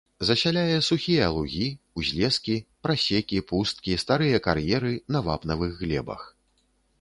Засяляе сухія лугі, узлескі, прасекі, пусткі, старыя кар'еры на вапнавых глебах.